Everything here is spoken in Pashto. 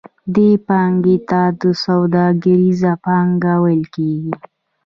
دې پانګې ته سوداګریزه پانګه ویل کېږي